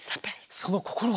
その心は？